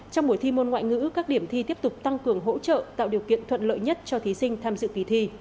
trong buổi thi môn ngoại ngữ các điểm thi tiếp tục tăng cường hỗ trợ tạo điều kiện thuận lợi nhất cho thí sinh tham dự kỳ thi